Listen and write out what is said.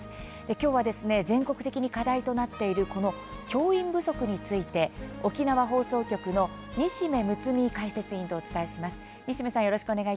今日は全国的に課題となっている教員不足について、沖縄放送局の西銘むつみ解説委員とお伝えします。